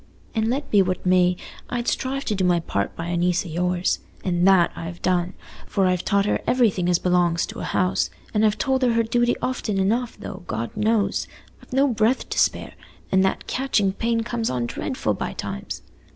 An' let be what may, I'd strive to do my part by a niece o' yours—an' that I've done, for I've taught her everything as belongs to a house, an' I've told her her duty often enough, though, God knows, I've no breath to spare, an' that catchin' pain comes on dreadful by times.